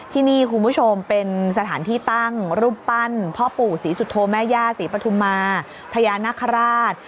ที่นี่คุณผู้ชมเป็นสถานที่ตั้งรูปปั้นพ่อปู่ศรีสุโธแม่ย่าศรีปฐุมาพญานาคาราช